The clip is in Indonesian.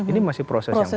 ini masih proses yang panjang